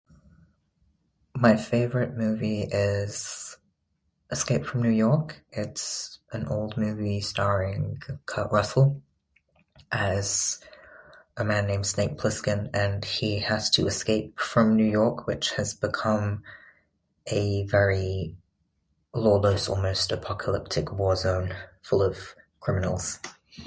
"My favorite movie is ""Escape from New York"". It's an old movie starring Kurt Russell as a man named Snake Plissken and he has to escape from New York, which has become a very lawless, almost apocalyptic, war zone full of criminals."